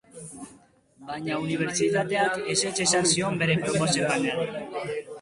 Baina unibertsitateak ezetz esan zion bere proposamenari.